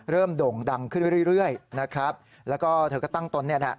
โด่งดังขึ้นเรื่อยนะครับแล้วก็เธอก็ตั้งตนเนี่ยนะ